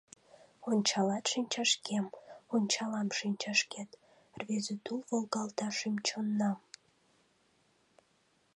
Ончалат шинчашкем, Ончалам шинчашкет, Рвезе тул волгалта шӱм-чоннам.